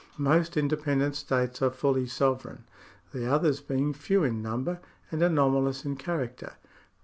Most inde pendent states are fully sovereign, the others being few in number and anomalous in character.